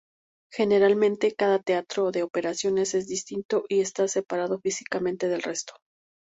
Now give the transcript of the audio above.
Generalmente, cada teatro de operaciones es distinto y está separado físicamente del resto.